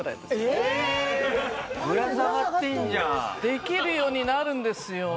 できるようになるんですよ。